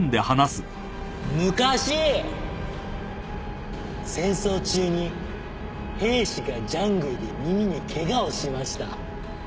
昔戦争中に兵士がジャングルで耳にケガをしました。